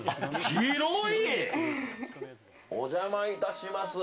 お邪魔いたします。